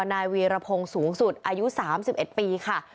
นายวีรพงศ์สูงสุดอายุ๓๑ปีค่ะ